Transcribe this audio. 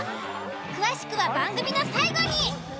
詳しくは番組の最後に！